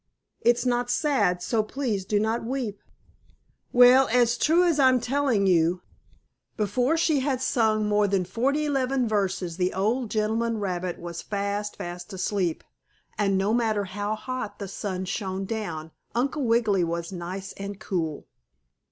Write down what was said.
It's not sad, so please do not weep." Well, as true as I'm telling you, before she had sung more than forty 'leven verses the old gentleman rabbit was fast, fast asleep, and, no matter how hot the sun shone down, Uncle Wiggily was nice and cool.